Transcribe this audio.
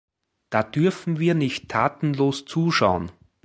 Da dürfen wir nicht tatenlos zuschauen.